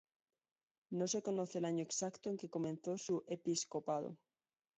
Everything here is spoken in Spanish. No se conoce el año exacto en que comenzó su episcopado.